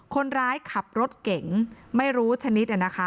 คนร้ายขับรถเก่งไม่รู้ชนิดน่ะนะคะ